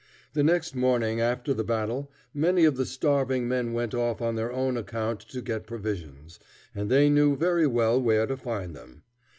The next morning after the battle, many of the starving men went off on their own account to get provisions, and they knew very well where to find them.